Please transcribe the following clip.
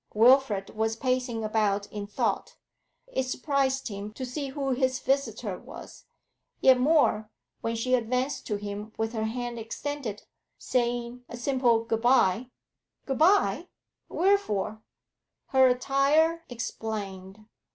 Wilfrid was pacing about in thought. It surprised him to see who his visitor was; yet more, when she advanced to him with her hand extended, saying a simple 'Good bye.' 'Good bye? Wherefore?' Her attire explained.